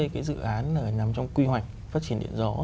bốn mươi cái dự án nằm trong quy hoạch phát triển điện gió